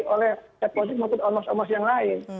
oleh partai politik dan umat umat yang lain